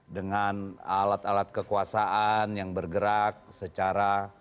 dengan alat alat kekuasaan yang bergerak secara